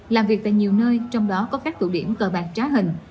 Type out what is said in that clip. làm việc tại nhiều nơi trong đó có các tụ điểm cờ bạc trá hình